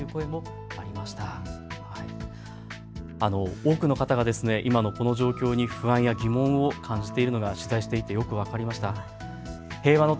多くの方が今のこの状況に不安や疑問を感じているのが取材していてよく分かりました。